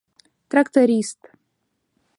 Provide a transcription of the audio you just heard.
Тракторист.